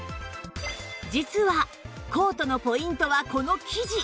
実はコートのポイントはこの生地！